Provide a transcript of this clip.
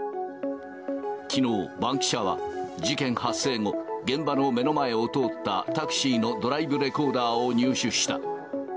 きのう、バンキシャは事件発生後、現場の目の前を通ったタクシーのドライブレコーダーを入手した。